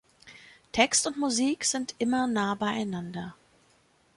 Text und Musik sind immer nah beieinander.